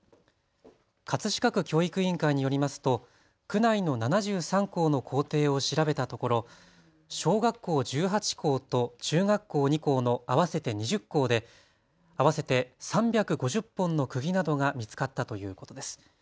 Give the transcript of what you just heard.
葛飾区教育委員会によりますと区内の７３校の校庭を調べたところ小学校１８校と中学校２校の合わせて２０校で合わせて３５０本のくぎなどが見つかったということです。